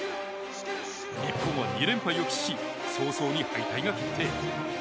日本は２連敗を喫し早々に敗退が決定。